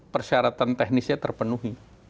persyaratan teknisnya terpenuhi